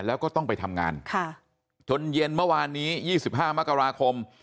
แล้วก็ต้องไปทำงานจนเย็นเมื่อวานนี้๒๕มกราคม